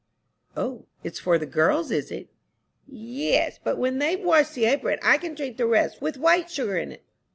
"O, it's for the girls, is it?" "Yes, but when they've washed the apron I can drink the rest with white sugar in."